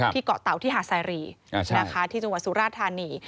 ที่เกาะเต่าที่ฮาซาอีรี